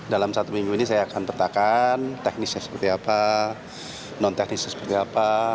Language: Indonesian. dalam satu minggu ini saya akan petakan teknisnya seperti apa non teknisnya seperti apa